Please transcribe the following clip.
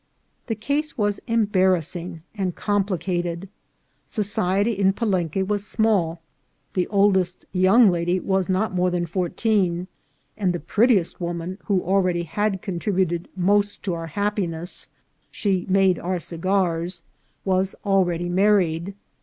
The case was embarrassing and complicated. Soci ety in Palenque was small ; the oldest young lady was not more than fourteen, and the pre.ttiest woman, who already had contributed most to our happiness (she made our cigars), was already married.